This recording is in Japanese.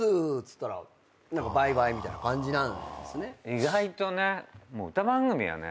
意外とね。